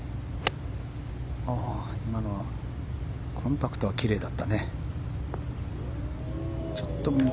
今のはコンタクトは奇麗だったね。